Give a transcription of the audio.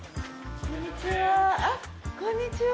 こんにちは。